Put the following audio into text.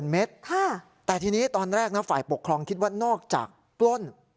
เมตรแต่ทีนี้ตอนแรกนะฝ่ายปกครองคิดว่านอกจากปล้น